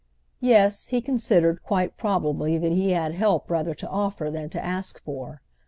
Yes, he considered quite probably that he had help rather to offer than to ask for.